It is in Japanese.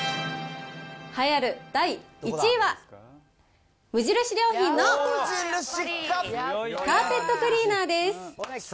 栄えある第１位は、無印良品のカーペットクリーナーです。